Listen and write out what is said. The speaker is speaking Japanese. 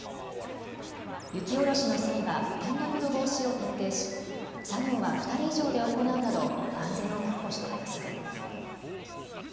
雪下ろしの際は転落の防止を徹底し作業は２人以上で行うなど安全を確保してください。